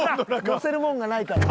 載せるもんがないから。